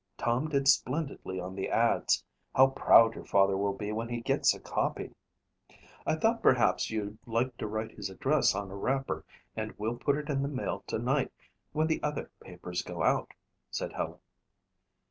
Tom did splendidly on the ads. How proud your father will be when he gets a copy." "I thought perhaps you'd like to write his address on a wrapper and we'll put it in the mail tonight when the other papers go out," said Helen.